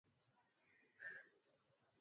ili kuweza kumletea maendeleo mkulima